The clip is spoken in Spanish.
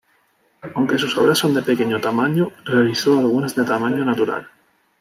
Aunque sus obras son de pequeño tamaño, realizó algunas de tamaño natural.